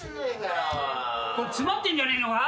詰まってんじゃねえのか？